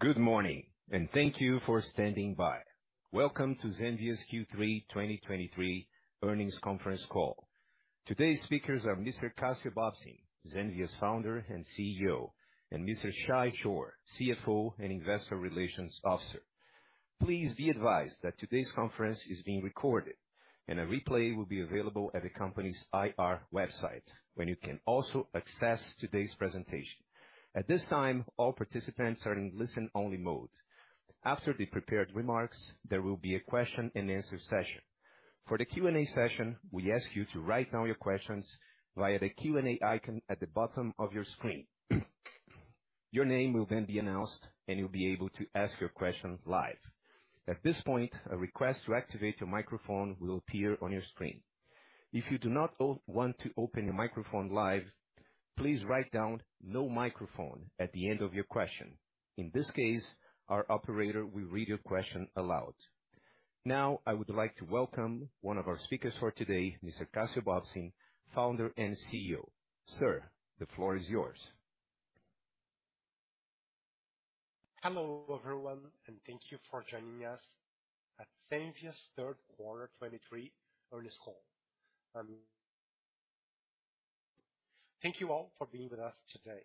Good morning, and thank you for standing by. Welcome to Zenvia's Q3 2023 earnings conference call. Today's speakers are Mr. Cassio Bobsin, Zenvia's founder and CEO, and Mr. Shay Chor, CFO and Investor Relations Officer. Please be advised that today's conference is being recorded, and a replay will be available at the company's IR website, where you can also access today's presentation. At this time, all participants are in listen-only mode. After the prepared remarks, there will be a question-and-answer session. For the Q&A session, we ask you to write down your questions via the Q&A icon at the bottom of your screen. Your name will then be announced, and you'll be able to ask your question live. At this point, a request to activate your microphone will appear on your screen. If you do not want to open your microphone live, please write down "no microphone" at the end of your question. In this case, our operator will read your question aloud. Now, I would like to welcome one of our speakers for today, Mr. Cassio Bobsin, founder and CEO. Sir, the floor is yours. Hello, everyone, and thank you for joining us at Zenvia's third quarter 2023 earnings call. Thank you all for being with us today.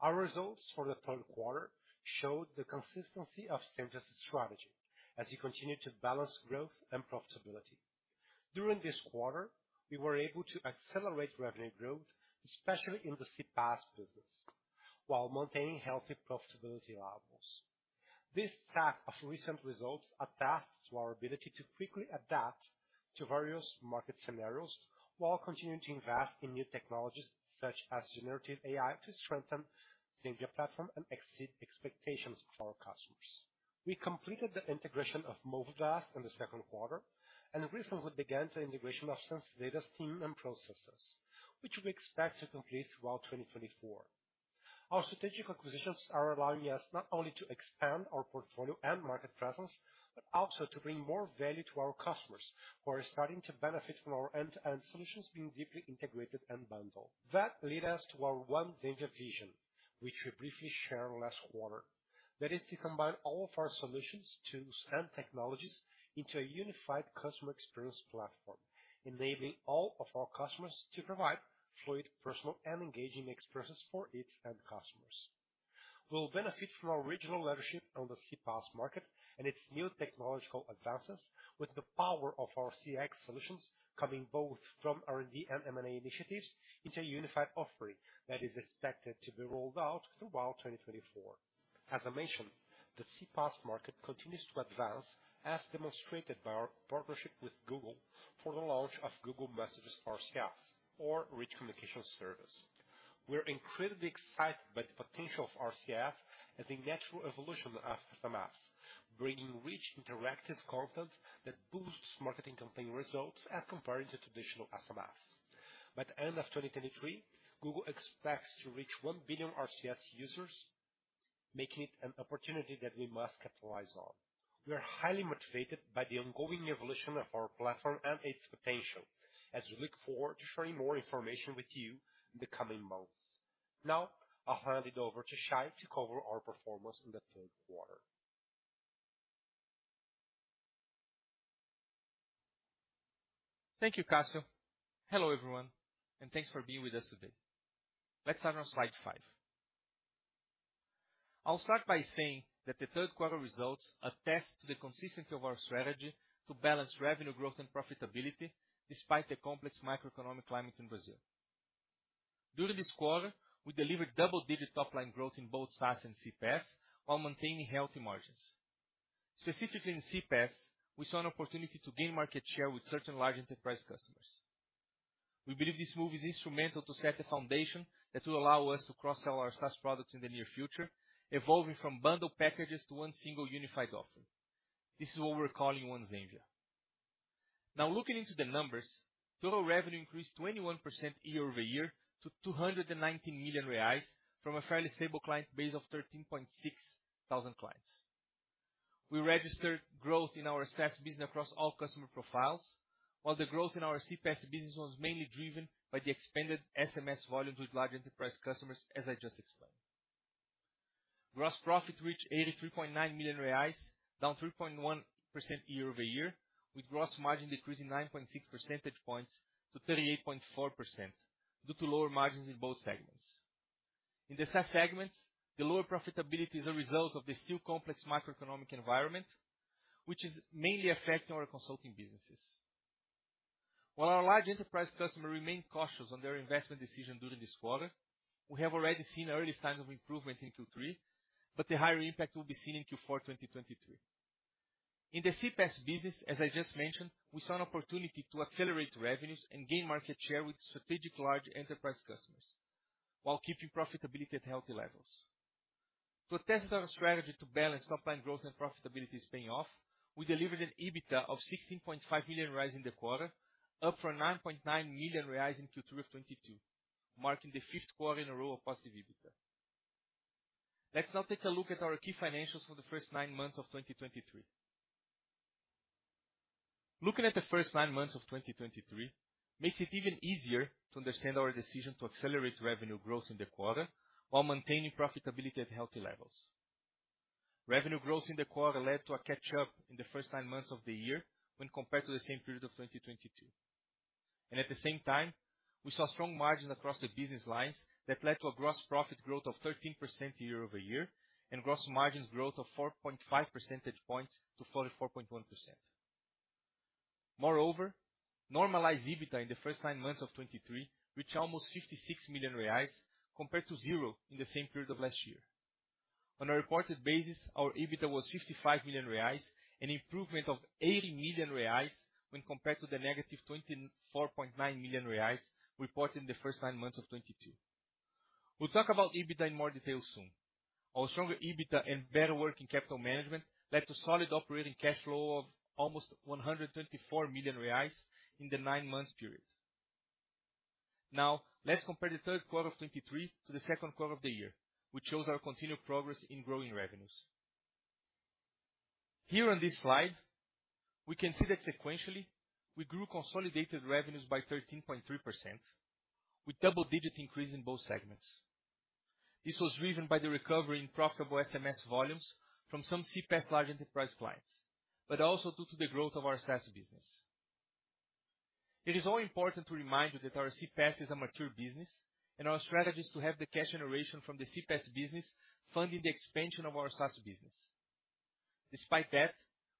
Our results for the third quarter showed the consistency of Zenvia's strategy as we continue to balance growth and profitability. During this quarter, we were able to accelerate revenue growth, especially in the CPaaS business, while maintaining healthy profitability levels. This type of recent results attests to our ability to quickly adapt to various market scenarios, while continuing to invest in new technologies, such as generative AI, to strengthen Zenvia platform and exceed expectations of our customers. We completed the integration of Movidesk in the second quarter, and recently we began the integration of SenseData's team and processes, which we expect to complete throughout 2024. Our strategic acquisitions are allowing us not only to expand our portfolio and market presence, but also to bring more value to our customers, who are starting to benefit from our end-to-end solutions being deeply integrated and bundled. That lead us to our One Zenvia vision, which we briefly shared last quarter. That is to combine all of our solutions, tools and technologies into a unified customer experience platform, enabling all of our customers to provide fluid, personal and engaging experiences for its end customers. We'll benefit from our original leadership on the CPaaS market and its new technological advances, with the power of our CX solutions coming both from R&D and M&A initiatives into a unified offering that is expected to be rolled out throughout 2024. As I mentioned, the CPaaS market continues to advance, as demonstrated by our partnership with Google for the launch of Google Messages RCS, or Rich Communication Services. We're incredibly excited by the potential of RCS as a natural evolution of SMS, bringing rich interactive content that boosts marketing campaign results as compared to traditional SMS. By the end of 2023, Google expects to reach 1 billion RCS users, making it an opportunity that we must capitalize on. We are highly motivated by the ongoing evolution of our platform and its potential, as we look forward to sharing more information with you in the coming months. Now, I'll hand it over to Shay to cover our performance in the third quarter. Thank you, Cassio. Hello, everyone, and thanks for being with us today. Let's start on slide five. I'll start by saying that the third quarter results attest to the consistency of our strategy to balance revenue growth and profitability despite the complex macroeconomic climate in Brazil. During this quarter, we delivered double-digit top-line growth in both SaaS and CPaaS, while maintaining healthy margins. Specifically in CPaaS, we saw an opportunity to gain market share with certain large enterprise customers. We believe this move is instrumental to set the foundation that will allow us to cross-sell our SaaS products in the near future, evolving from bundle packages to one single unified offer. This is what we're calling One Zenvia. Now, looking into the numbers, total revenue increased 21% year-over-year to 290 million reais, from a fairly stable client base of 13,600 clients. We registered growth in our SaaS business across all customer profiles, while the growth in our CPaaS business was mainly driven by the expanded SMS volume with large enterprise customers, as I just explained. Gross profit reached 83.9 million reais, down 3.1% year-over-year, with gross margin decreasing 9.6 percentage points to 38.4% due to lower margins in both segments. In the SaaS segments, the lower profitability is a result of the still complex macroeconomic environment, which is mainly affecting our consulting businesses. While our large enterprise customers remain cautious on their investment decision during this quarter, we have already seen early signs of improvement in Q3, but the higher impact will be seen in Q4, 2023. In the CPaaS business, as I just mentioned, we saw an opportunity to accelerate revenues and gain market share with strategic large enterprise customers, while keeping profitability at healthy levels. To attest to our strategy to balance top line growth and profitability is paying off, we delivered an EBITDA of 16.5 million reais in the quarter, up from 9.9 million reais in Q3 of 2022, marking the fifth quarter in a row of positive EBITDA. Let's now take a look at our key financials for the first nine months of 2023.... Looking at the first nine months of 2023, makes it even easier to understand our decision to accelerate revenue growth in the quarter, while maintaining profitability at healthy levels. Revenue growth in the quarter led to a catch-up in the first nine months of the year, when compared to the same period of 2022. And at the same time, we saw strong margins across the business lines that led to a gross profit growth of 13% year-over-year, and gross margins growth of 4.5 percentage points to 44.1%. Moreover, normalized EBITDA in the first nine months of 2023, reached almost 56 million reais, compared to 0 in the same period of last year. On a reported basis, our EBITDA was 55 million reais, an improvement of 80 million reais when compared to the negative 24.9 million reais, reported in the first nine months of 2022. We'll talk about EBITDA in more detail soon. Our stronger EBITDA and better working capital management led to solid operating cash flow of almost 124 million reais in the nine months period. Now, let's compare the third quarter of 2023 to the second quarter of the year, which shows our continued progress in growing revenues. Here on this slide, we can see that sequentially, we grew consolidated revenues by 13.3%, with double-digit increase in both segments. This was driven by the recovery in profitable SMS volumes from some CPaaS large enterprise clients, but also due to the growth of our SaaS business. It is all important to remind you that our CPaaS is a mature business, and our strategy is to have the cash generation from the CPaaS business, funding the expansion of our SaaS business. Despite that,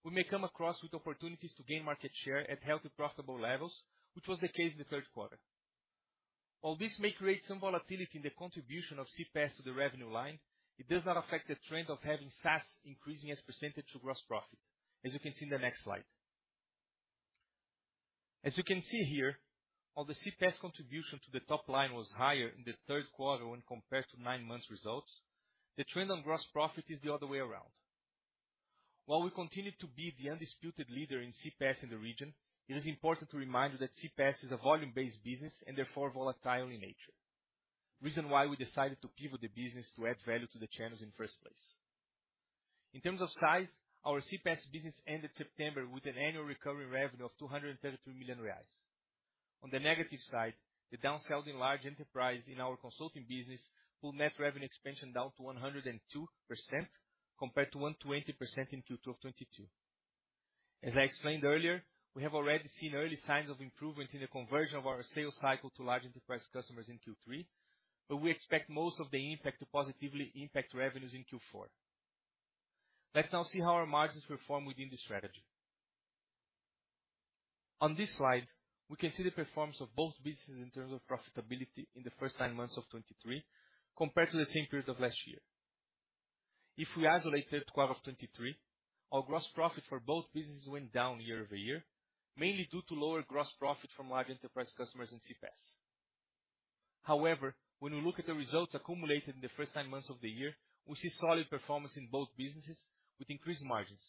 we may come across with opportunities to gain market share at healthy, profitable levels, which was the case in the third quarter. While this may create some volatility in the contribution of CPaaS to the revenue line, it does not affect the trend of having SaaS increasing as percentage to gross profit, as you can see in the next slide. As you can see here, while the CPaaS contribution to the top line was higher in the third quarter when compared to nine months results, the trend on gross profit is the other way around. While we continue to be the undisputed leader in CPaaS in the region, it is important to remind you that CPaaS is a volume-based business and therefore volatile in nature. Reason why we decided to pivot the business to add value to the channels in first place. In terms of size, our CPaaS business ended September with an annual recurring revenue of 233 million reais. On the negative side, the downselling large enterprise in our consulting business pulled net revenue expansion down to 102%, compared to 120% in Q2 of 2022. As I explained earlier, we have already seen early signs of improvement in the conversion of our sales cycle to large enterprise customers in Q3, but we expect most of the impact to positively impact revenues in Q4. Let's now see how our margins perform within the strategy. On this slide, we can see the performance of both businesses in terms of profitability in the first nine months of 2023, compared to the same period of last year. If we isolate third quarter of 2023, our gross profit for both businesses went down year-over-year, mainly due to lower gross profit from large enterprise customers in CPaaS. However, when we look at the results accumulated in the first nine months of the year, we see solid performance in both businesses with increased margins,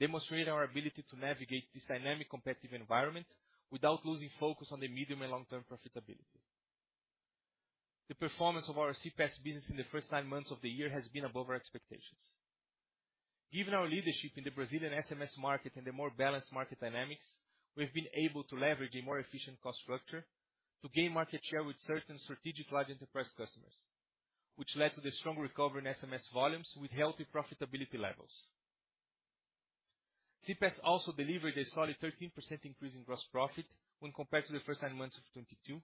demonstrating our ability to navigate this dynamic, competitive environment without losing focus on the medium- and long-term profitability. The performance of our CPaaS business in the first nine months of the year has been above our expectations. Given our leadership in the Brazilian SMS market and the more balanced market dynamics, we've been able to leverage a more efficient cost structure to gain market share with certain strategic large enterprise customers, which led to the strong recovery in SMS volumes with healthy profitability levels. CPaaS also delivered a solid 13% increase in gross profit when compared to the first nine months of 2022,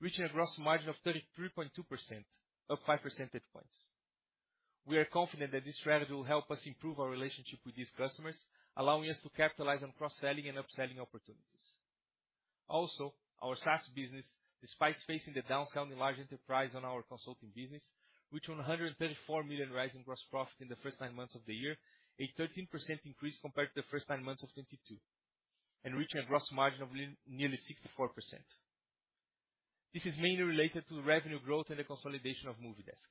reaching a gross margin of 33.2%, up five percentage points. We are confident that this strategy will help us improve our relationship with these customers, allowing us to capitalize on cross-selling and upselling opportunities. Also, our SaaS business, despite facing the downselling large enterprise on our consulting business, reached 134 million in gross profit in the first nine months of the year, a 13% increase compared to the first nine months of 2022, and reaching a gross margin of nearly 64%. This is mainly related to revenue growth and the consolidation of Movidesk.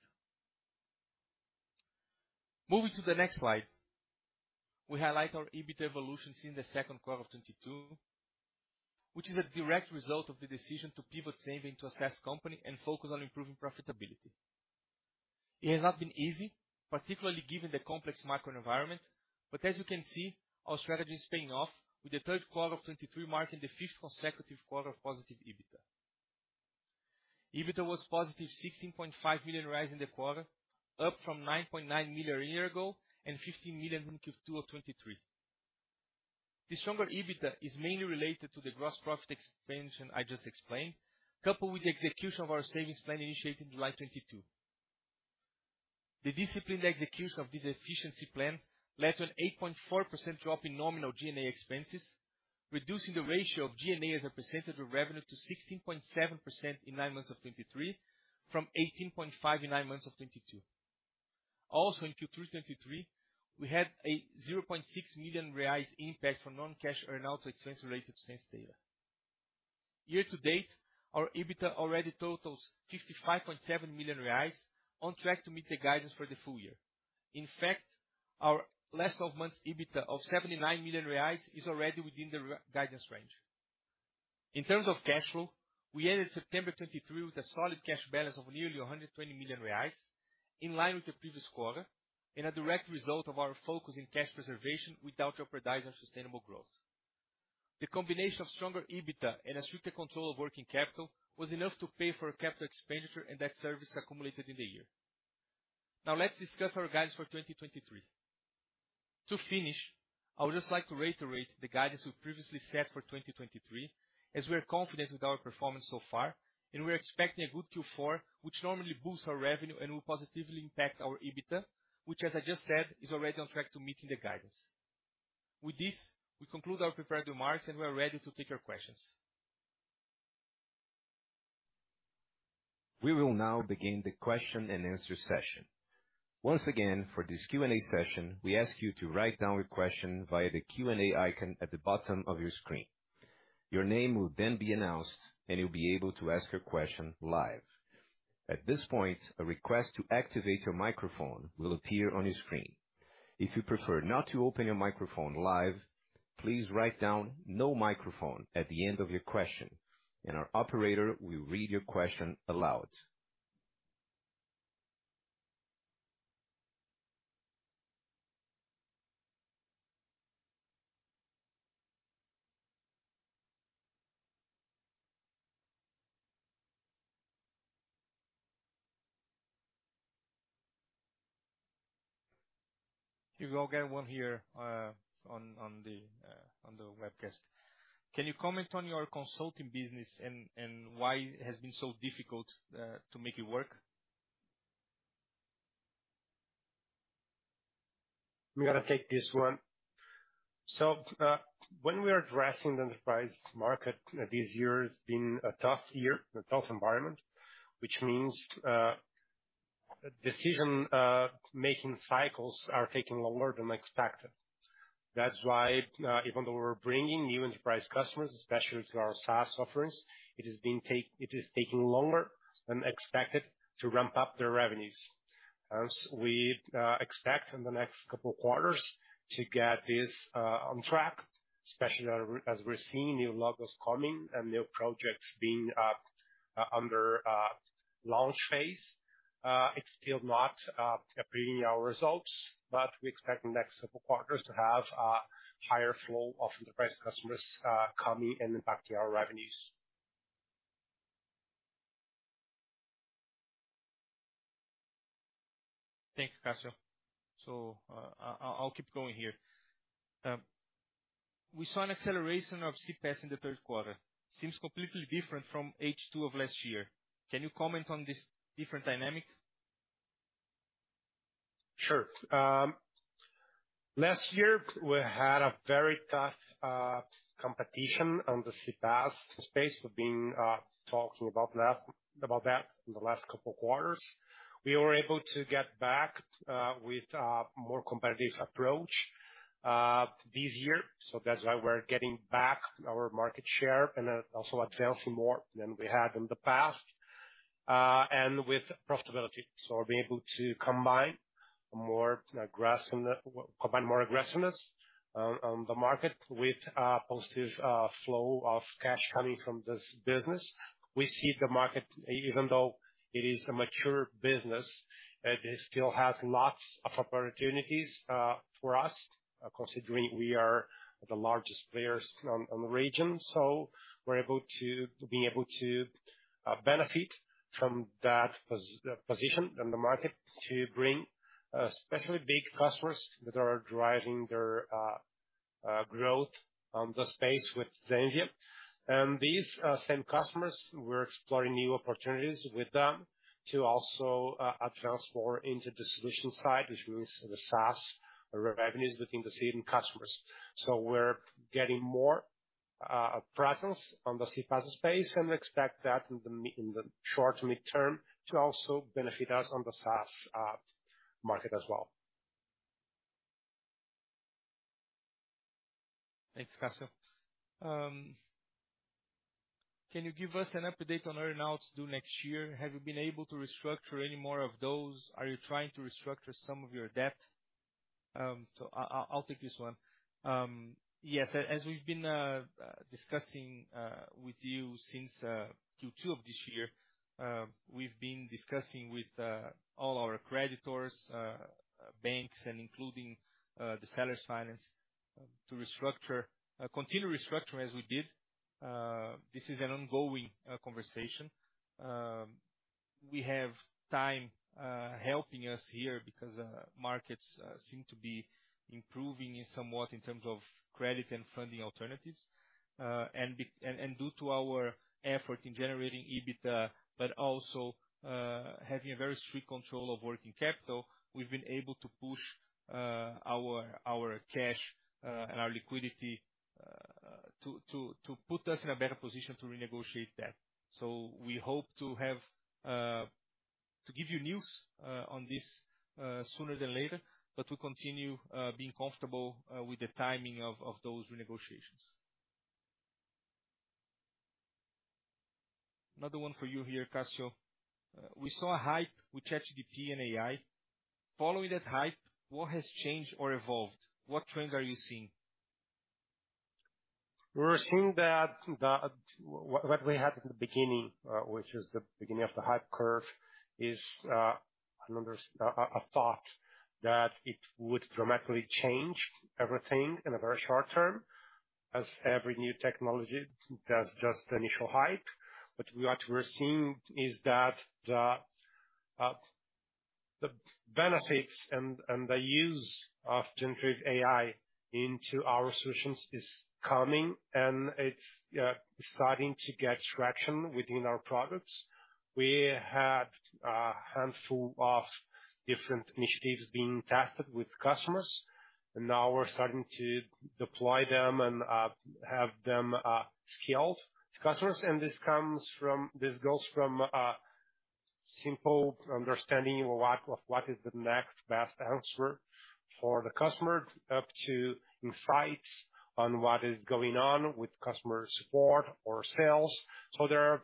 Moving to the next slide, we highlight our EBITDA evolution since the second quarter of 2022, which is a direct result of the decision to pivot Zenvia into a SaaS company and focus on improving profitability. It has not been easy, particularly given the complex macro environment, but as you can see, our strategy is paying off with the third quarter of 2023 marking the fifth consecutive quarter of positive EBITDA. EBITDA was positive 16.5 million Reais in the quarter, up from 9.9 million a year ago and 15 million in Q2 of 2023. The stronger EBITDA is mainly related to the gross profit expansion I just explained, coupled with the execution of our savings plan initiated in July 2022. The disciplined execution of this efficiency plan led to an 8.4% drop in nominal G&A expenses, reducing the ratio of G&A as a percentage of revenue to 16.7% in nine months of 2023, from 18.5% in nine months of 2022. Also, in Q3 2023, we had a 0.6 million reais impact from non-cash earnouts expense related to SenseData. Year to date, our EBITDA already totals 55.7 million reais, on track to meet the guidance for the full year. In fact, our last 12 months EBITDA of 79 million reais is already within the our guidance range. In terms of cash flow, we ended September 2023 with a solid cash balance of nearly 120 million reais, in line with the previous quarter, and a direct result of our focus in cash preservation without jeopardizing sustainable growth. The combination of stronger EBITDA and a stricter control of working capital was enough to pay for capital expenditure and debt service accumulated in the year. Now let's discuss our guidance for 2023. To finish, I would just like to reiterate the guidance we previously set for 2023, as we are confident with our performance so far, and we are expecting a good Q4, which normally boosts our revenue and will positively impact our EBITDA, which, as I just said, is already on track to meeting the guidance. With this, we conclude our prepared remarks, and we are ready to take your questions. We will now begin the question and answer session. Once again, for this Q&A session, we ask you to write down your question via the Q&A icon at the bottom of your screen. Your name will then be announced, and you'll be able to ask your question live. At this point, a request to activate your microphone will appear on your screen. If you prefer not to open your microphone live, please write down "no microphone" at the end of your question, and our operator will read your question aloud. Here we go, get one here, on the webcast. Can you comment on your consulting business and why it has been so difficult to make it work? I'm gonna take this one. So, when we are addressing the enterprise market, this year has been a tough year, a tough environment, which means, decision making cycles are taking longer than expected. That's why, even though we're bringing new enterprise customers, especially to our SaaS offerings, it is taking longer than expected to ramp up their revenues. Hence, we expect in the next couple of quarters to get this on track, especially as we're seeing new logos coming and new projects being under launch phase. It's still not appearing in our results, but we expect in the next couple quarters to have a higher flow of enterprise customers coming and impacting our revenues. Thanks, Cassio. So, I'll keep going here. We saw an acceleration of CPaaS in the third quarter. Seems completely different from H2 of last year. Can you comment on this different dynamic? Sure. Last year, we had a very tough competition on the CPaaS space. We've been talking about that, about that in the last couple of quarters. We were able to get back with more competitive approach this year. So that's why we're getting back our market share and also advancing more than we had in the past and with profitability. So we're being able to combine more aggression, combine more aggressiveness on the market with a positive flow of cash coming from this business. We see the market, even though it is a mature business, it still has lots of opportunities for us, considering we are the largest players on the region. So we're able to benefit from that position in the market to bring, especially big customers that are driving their growth on the space with Zenvia. And these same customers, we're exploring new opportunities with them to also advance more into the solution side, which means the SaaS revenues within the same customers. So we're getting more presence on the CPaaS space and expect that in the short to mid-term, to also benefit us on the SaaS market as well. Thanks, Cassio. Can you give us an update on earn-outs due next year? Have you been able to restructure any more of those? Are you trying to restructure some of your debt? So I'll take this one. Yes, as we've been discussing with you since Q2 of this year, we've been discussing with all our creditors, banks, and including the sellers finance, to restructure, continue restructuring as we did. This is an ongoing conversation. We have time helping us here because markets seem to be improving somewhat in terms of credit and funding alternatives. And due to our effort in generating EBITDA, but also having a very strict control of working capital, we've been able to push our cash and our liquidity to put us in a better position to renegotiate that. We hope to give you news on this sooner than later, but we continue being comfortable with the timing of those renegotiations.... Another one for you here, Cassio. We saw a hype with ChatGPT and AI. Following that hype, what has changed or evolved? What trend are you seeing? We're seeing that, the, what, what we had in the beginning, which is the beginning of the hype curve, is, another, a thought that it would dramatically change everything in a very short term, as every new technology, that's just the initial hype. But what we are seeing is that the, the benefits and, and the use of generative AI into our solutions is coming, and it's, starting to get traction within our products. We had a handful of different initiatives being tested with customers, and now we're starting to deploy them and, have them, scaled to customers. And this goes from, simple understanding of what, of what is the next best answer for the customer, up to insights on what is going on with customer support or sales. So there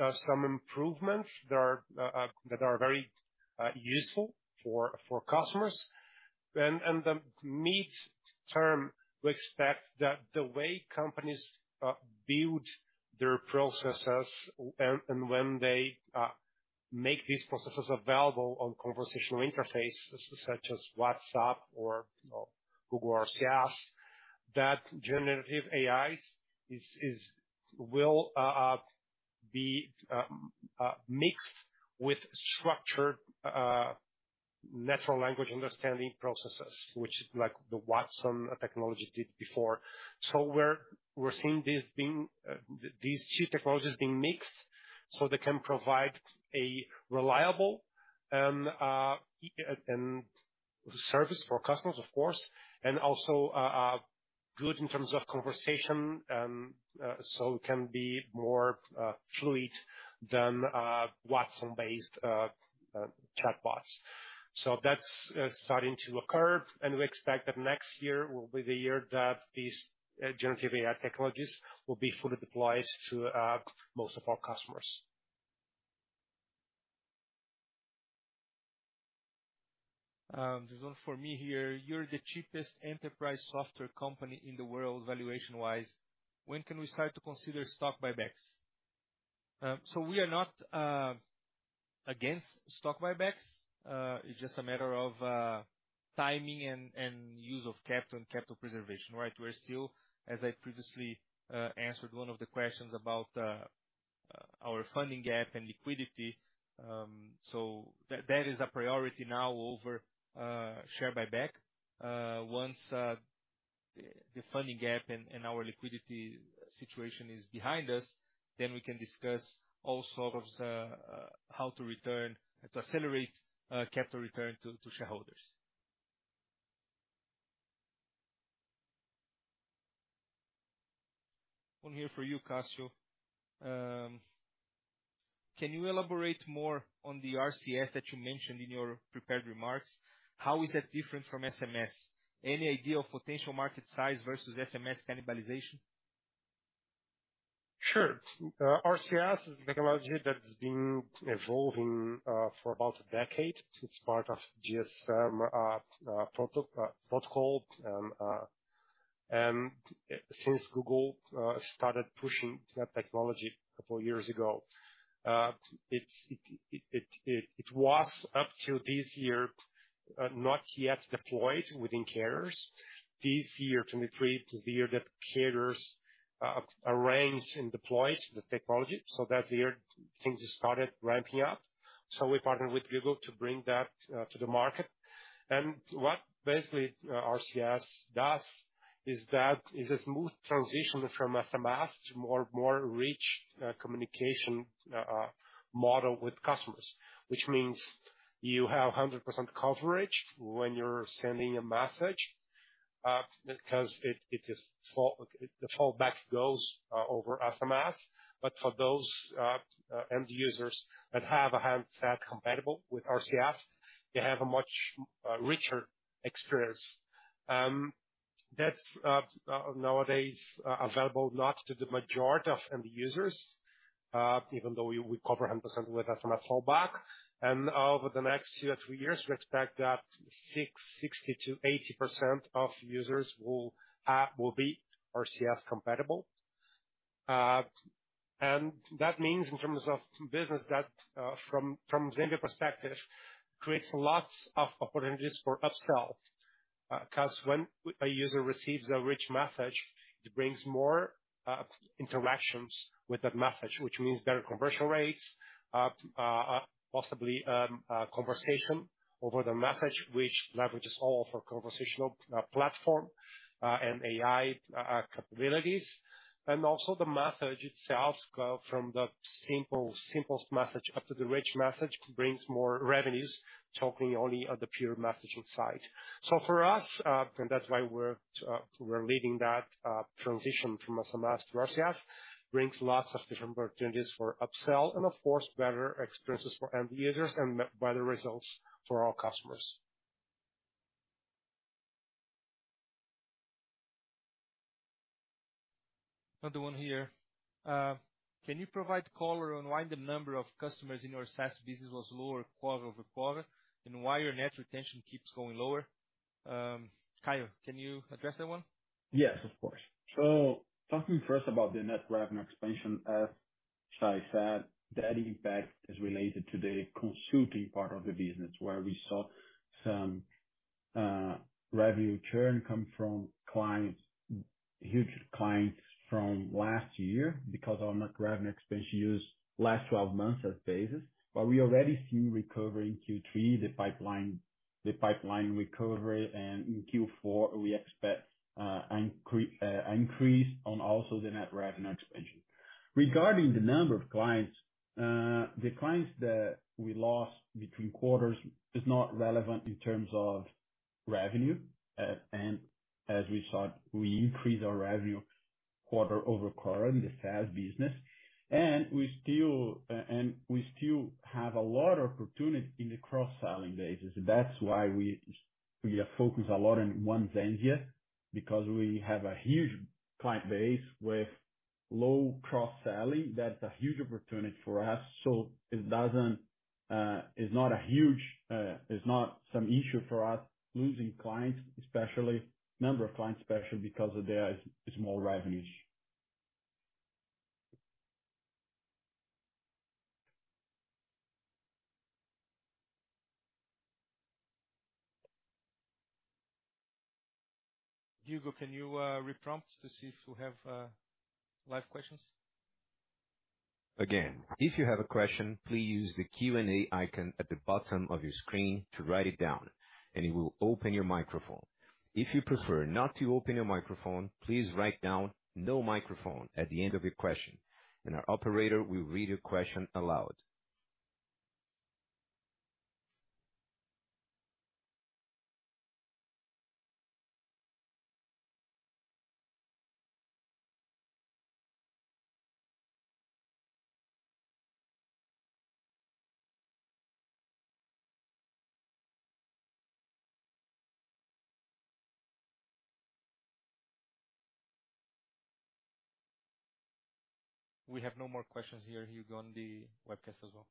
are some improvements that are very useful for customers. Then in the mid-term, we expect that the way companies build their processes, and when they make these processes available on conversational interfaces such as WhatsApp or Google RCS, that generative AIs will be mixed with structured natural language understanding processes, which is like the Watson technology did before. So we're seeing these two technologies being mixed so they can provide a reliable and service for customers, of course, and also good in terms of conversation, so it can be more fluid than Watson-based chatbots. So that's starting to occur, and we expect that next year will be the year that these generative AI technologies will be fully deployed to most of our customers. There's one for me here: You're the cheapest enterprise software company in the world, valuation-wise. When can we start to consider stock buybacks? So we are not against stock buybacks. It's just a matter of timing and use of capital and capital preservation, right? We're still, as I previously answered one of the questions about our funding gap and liquidity, so that is a priority now over share buyback. Once the funding gap and our liquidity situation is behind us, then we can discuss all sorts of how to return, to accelerate capital return to shareholders. One here for you, Cassio. Can you elaborate more on the RCS that you mentioned in your prepared remarks? How is that different from SMS? Any idea of potential market size versus SMS cannibalization? Sure. RCS is a technology that's been evolving for about a decade. It's part of GSM protocol. And since Google started pushing that technology a couple years ago, it was up till this year not yet deployed within carriers. This year, 2023, is the year that carriers arranged and deployed the technology, so that's the year things started ramping up. So we partnered with Google to bring that to the market. And what basically RCS does is a smooth transition from SMS to more rich communication model with customers. Which means you have 100% coverage when you're sending a message, because it just fall- the fallback goes over SMS, but for those end users that have a handset compatible with RCS, they have a much richer experience. That's nowadays available not to the majority of end users, even though we cover 100% with SMS fallback. And over the next two or three years, we expect that 60%-80% of users will be RCS compatible. And that means, in terms of business, that from Zenvia perspective, creates lots of opportunities for upsell, 'cause when a user receives a rich message, it brings more interactions with that message, which means better conversion rates, possibly a conversation over the message, which leverages all of our conversational platform and AI capabilities. And also the message itself, from the simplest message up to the rich message, brings more revenues, talking only on the pure messaging side. So for us, and that's why we're leading that transition from SMS to RCS, brings lots of different opportunities for upsell and, of course, better experiences for end users and better results for our customers.... Another one here. Can you provide color on why the number of customers in your SaaS business was lower quarter-over-quarter, and why your net retention keeps going lower? Cassio, can you address that one? Yes, of course. So talking first about the net revenue expansion, as Shay said, that impact is related to the consulting part of the business, where we saw some revenue churn come from clients, huge clients from last year, because our net revenue expansion use last 12 months as basis. But we already see recovery in Q3, the pipeline, the pipeline recovery, and in Q4, we expect increase on also the net revenue expansion. Regarding the number of clients, the clients that we lost between quarters is not relevant in terms of revenue. And as we said, we increased our revenue quarter-over-quarter in the SaaS business, and we still and we still have a lot of opportunity in the cross-selling basis. That's why we focus a lot on One Zenvia, because we have a huge client base with low cross-selling. That's a huge opportunity for us. So it doesn't, it's not a huge, it's not some issue for us losing clients, especially number of clients, especially because of their small revenues. Hugo, can you re-prompt to see if we have live questions? Again, if you have a question, please use the Q&A icon at the bottom of your screen to write it down, and it will open your microphone. If you prefer not to open your microphone, please write down "no microphone" at the end of your question, and our operator will read your question aloud. We have no more questions here, Hugo, on the webcast as well.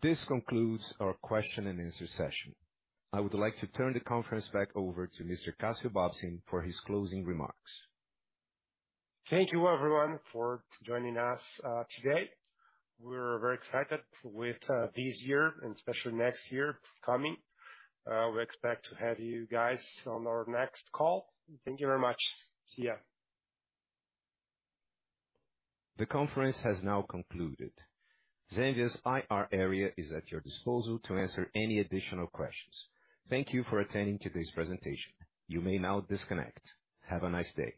This concludes our question and answer session. I would like to turn the conference back over to Mr. Cassio Bobsin for his closing remarks. Thank you, everyone, for joining us, today. We're very excited with, this year and especially next year coming. We expect to have you guys on our next call. Thank you very much. See you. The conference has now concluded. Zenvia's IR area is at your disposal to answer any additional questions. Thank you for attending today's presentation. You may now disconnect. Have a nice day.